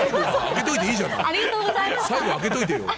最後、開けといてよ。